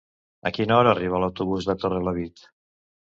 A quina hora arriba l'autobús de Torrelavit?